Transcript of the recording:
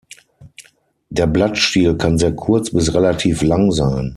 Der Blattstiel kann sehr kurz bis relativ lang sein.